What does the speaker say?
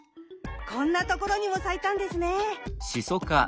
こんな所にも咲いたんですね。